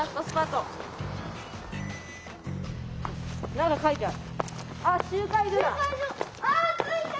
何か書いてある。